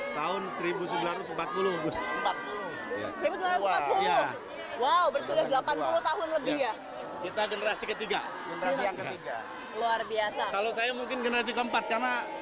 tahun seribu sembilan ratus empat puluh seribu sembilan ratus empat puluh tahun lebih kita generasi ketiga luar biasa kalau saya mungkin generasi keempat karena